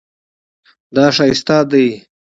دا ښایسته دی